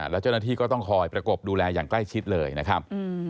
แล้วเจ้าหน้าที่ก็ต้องคอยประกบดูแลอย่างใกล้ชิดเลยนะครับ